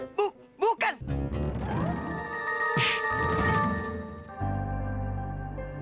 dibet banget sih